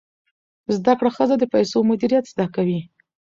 زده کړه ښځه د پیسو مدیریت زده کوي.